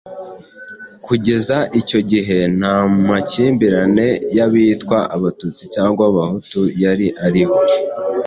Kugeza icyo gihe nta makimbirane y'abitwa Abatutsi cyangwa Abahutu yari ariho.